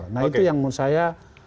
nah itu yang menurut saya